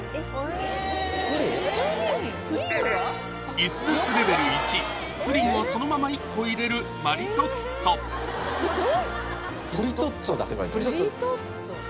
逸脱レベル１プリンをそのまま１個入れるマリトッツォプリトッツォです